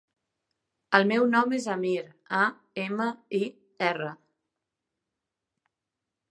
El meu nom és Amir: a, ema, i, erra.